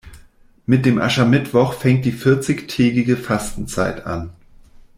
Mit dem Aschermittwoch fängt die vierzigtägige Fastenzeit an.